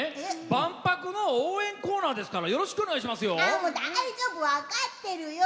万博の応援コーナーですからよろしくお願いしますよ。